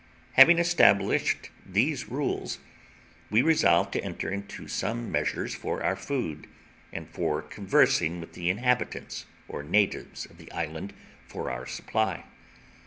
Having established these rules, we resolved to enter into some measures for our food, and for conversing with the inhabitants or natives of the island for our supply.